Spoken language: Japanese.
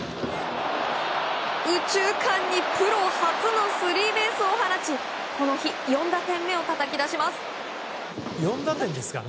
右中間にプロ初のスリーベースを放ちこの日４打点目をたたき出します。